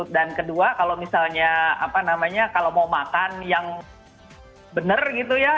dan kedua kalau misalnya apa namanya kalau mau makan yang benar gitu ya